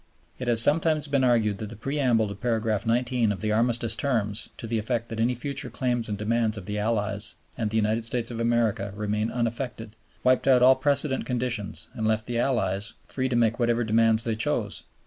It has sometimes been argued that the preamble to paragraph 19 of the Armistice Terms, to the effect "that any future claims and demands of the Allies and the United States of America remain unaffected," wiped out all precedent conditions, and left the Allies free to make whatever demands they chose.